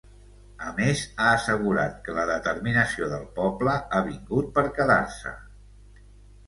A més, ha assegurat que la determinació del poble ha vingut per quedar-se.